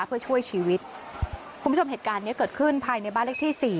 เพื่อช่วยชีวิตคุณผู้ชมเหตุการณ์เนี้ยเกิดขึ้นภายในบ้านเลขที่สี่